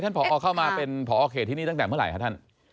ผอเข้ามาเป็นพอเขตที่นี่ตั้งแต่เมื่อไหร่ครับท่าน